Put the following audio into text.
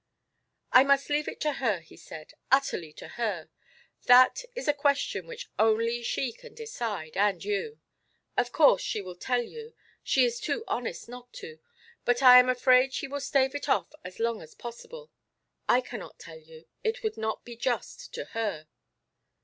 "I must leave it to her," he said, "utterly to her. That is a question which only she can decide and you. Of course she will tell you she is too honest not to; but I am afraid she will stave it off as long as possible. I cannot tell you; it would not be just to her."